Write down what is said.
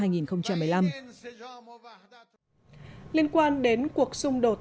liên quan đến cuộc xung đột